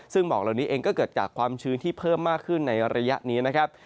ซึ่งหมอกเหล่านี้เองก็เกิดจากความชื้นที่เพิ่มมากขึ้นในระยะนี้นะครับ